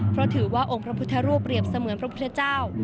เพราะถือว่าองค์พระพุทธรูปเปรียบเสมือนพระพุทธเจ้า